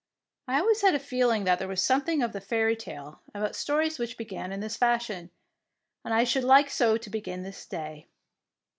'^ I always had a feeling that there was something of the fairy tale about stories which be gan in this fashion, and I should like so to begin this day.